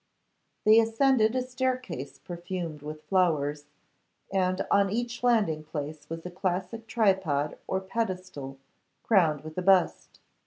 They ascended a staircase perfumed with flowers, and on each landing place was a classic tripod or pedestal crowned with a bust.